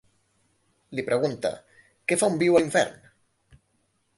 Li pregunta, què fa un viu a l'infern?